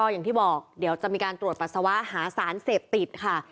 อย่างที่บอกเดี๋ยวจะมีการตรวจปัสสาวะหาสารเสพติดค่ะ